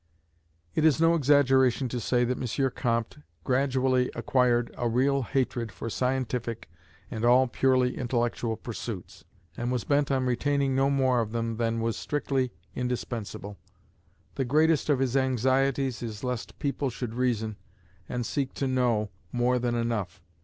It is no exaggeration to say, that M. Comte gradually acquired a real hatred for scientific and all purely intellectual pursuits, and was bent on retaining no more of them than was strictly indispensable. The greatest of his anxieties is lest people should reason, and seek to know, more than enough.